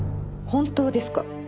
本当ですか！？